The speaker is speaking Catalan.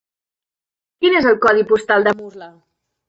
Quin és el codi postal de Murla?